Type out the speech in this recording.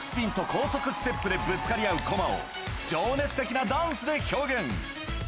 高速スピンと高速ステップでぶつかり合う駒を、情熱的なダンスで表現。